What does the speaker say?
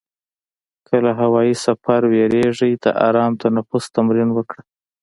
که له هوایي سفر وېرېږې، د آرام تنفس تمرین وکړه.